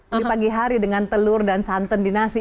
di pagi hari dengan telur dan santan di nasi